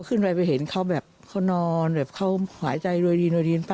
ขึ้นไปเพื่อเห็นเขาแบบเขานอนเขาหายใจโดยดีโดยดีพ่อ